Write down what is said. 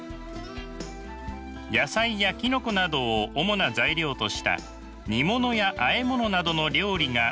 野菜やきのこなどを主な材料とした煮物やあえ物などの料理が副菜です。